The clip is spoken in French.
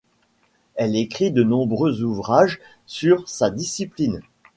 Elle écrit de nombreux ouvrages sur sa discipline.